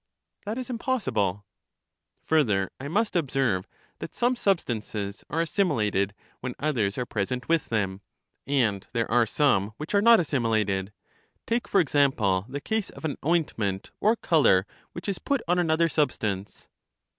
That is impossible. Further, I must observe that some substances are assimilated when others are present with them; and there are some which are not assimilated: take, for example, the case of an ointment or color which is put on another substance.